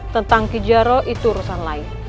tentang kijaro itu urusan lain